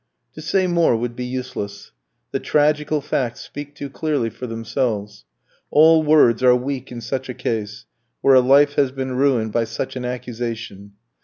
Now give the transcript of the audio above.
To say more would be useless. The tragical facts speak too clearly for themselves. All words are weak in such a case, where a life has been ruined by such an accusation.